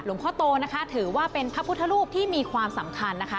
พ่อโตนะคะถือว่าเป็นพระพุทธรูปที่มีความสำคัญนะคะ